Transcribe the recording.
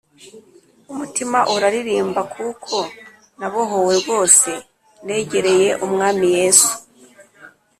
Umutima uraririmba kuko na bohowe rwose negereye umwami yesu